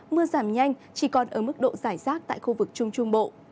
mưa giảm nhanh chỉ còn ở mức độ giải rác tại khu vực trung trung bộ